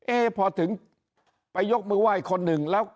เอ๊พอถึงไปยกมือไหว้คนหนึ่งแล้ว